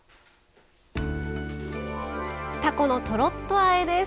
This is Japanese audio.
たこのトロッとあえです。